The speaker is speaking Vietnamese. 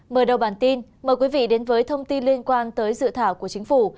mở đầu bản tin mời quý vị đến với thông tin liên quan tới dự thảo của chính phủ